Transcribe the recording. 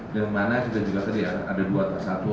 yang dimana kita juga tadi ada dua atau satu